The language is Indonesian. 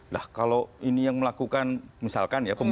nah kalau ini yang melakukan misalkan ya